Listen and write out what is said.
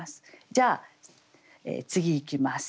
じゃあ次いきます。